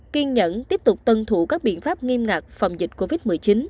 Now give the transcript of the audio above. kiên nhẫn tiếp tục tuân thủ các biện pháp nghiêm ngặt phòng dịch covid một mươi chín